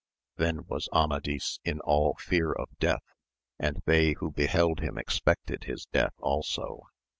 Then was Amadis in all fear of death, and they who beheld him expected his death also.